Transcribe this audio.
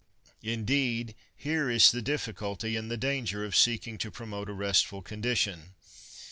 Indeed, here is the difficulty and the danger of seeking to promote a restful condition.